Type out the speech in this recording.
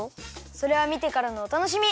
それはみてからのおたのしみ！